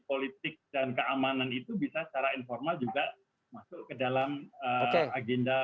politik dan keamanan itu bisa secara informal juga masuk ke dalam agenda